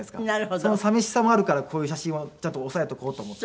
その寂しさもあるからこういう写真をちゃんと押さえておこうと思って。